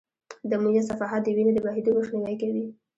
دمویه صفحات د وینې د بهېدو مخنیوی کوي.